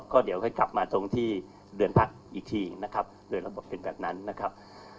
ก็เดี๋ยวค่อยกลับมาตรงที่เรือนพักอีกทีนะครับโดยระบบเป็นแบบนั้นนะครับ